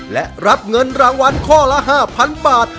และรับเงินรางวัลข้อละ๕๐๐๐บาท